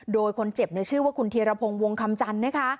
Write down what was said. โดยคนเจ็บชื่อว่าคุณธีรพงศ์วงคำจันทร์นะคะ